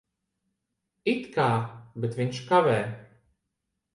It kā. Bet viņš kavē.